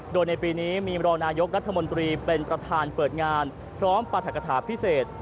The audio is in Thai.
โดยในปีนี้มีรองนายกรัฐมนตรีเป็นประธานเปิดงานพร้อมปรัฐกฐาพิเศษ